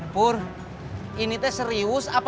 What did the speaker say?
pur ini teh serius apa